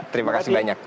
terima kasih banyak